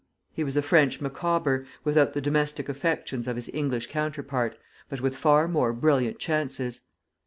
He was a French Micawber, without the domestic affections of his English counterpart, but with far more brilliant chances.